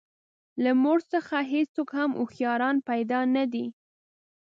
له مور څخه هېڅوک هم هوښیاران پیدا نه دي.